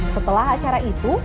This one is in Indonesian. setelah acara itu